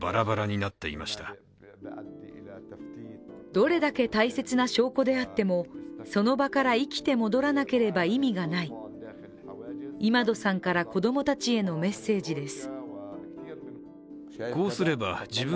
どれだけ大切な証拠であってもその場から生きて戻らなければ意味がない、イマドさんから子供たちへのメッセージです。